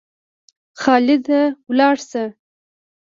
خالده ولاړ سه!